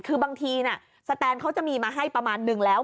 คือบางทีสแตนเขาจะมีมาให้ประมาณนึงแล้ว